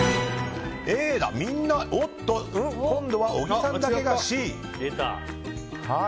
みんなＡいや今度は小木さんだけがＣ。